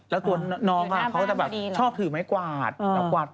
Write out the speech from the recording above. แล้วตัวน้องก็จะชอบถือไหม้กวาด